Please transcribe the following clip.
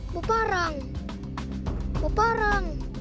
bu parang bu parang